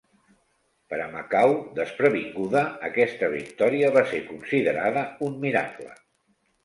Per a Macau, desprevinguda, aquesta victòria va ser considerada un miracle.